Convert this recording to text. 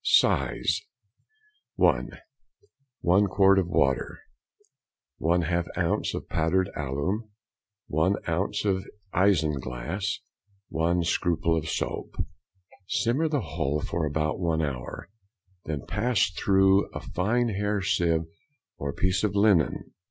Size:— (1.) 1 quart of water. 1/2 ounce of powdered alum. 1 ounce of isinglass. 1 scruple of soap. Simmer the whole for about one hour, then pass through a fine hair sieve or piece of linen.